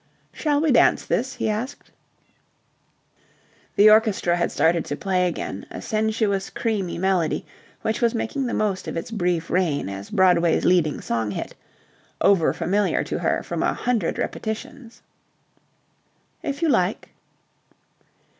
"Shall we dance this?" he asked. The orchestra had started to play again, a sensuous, creamy melody which was making the most of its brief reign as Broadway's leading song hit, overfamiliar to her from a hundred repetitions. "If you like."